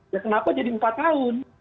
ya kenapa jadi empat tahun